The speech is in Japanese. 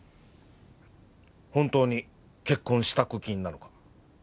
本当に結婚支度金なのか？